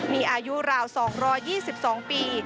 มีอายุราว๒๒ปี